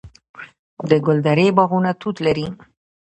د ګلدرې باغونه توت لري.